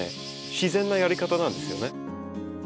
自然なやり方なんですよね。